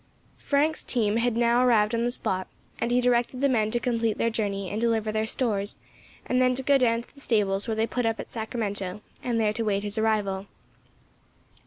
Frank's team had now arrived on the spot, and he directed the men to complete their journey and deliver their stores, and then to go down to the stables where they put up at Sacramento and there to wait his arrival.